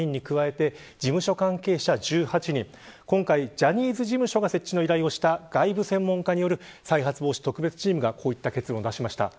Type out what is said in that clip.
ジャニーズ事務所が設置の依頼をした外部の専門家による特別チームがこういった結果を出しました。